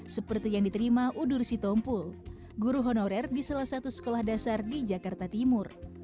seperti yang diterima udur sitompul guru honorer di salah satu sekolah dasar di jakarta timur